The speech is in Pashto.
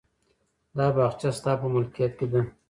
دا باغچه ستا په ملکیت کې ده.